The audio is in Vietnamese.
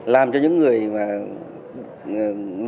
làm cho những người dân tin tưởng